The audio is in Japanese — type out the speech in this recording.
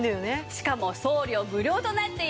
しかも送料無料となっています。